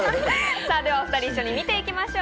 さぁ、ではお２人、一緒に見ていきましょう。